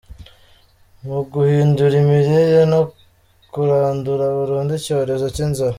mu guhindura imirire no kurandura burundu icyorezo cy’inzara.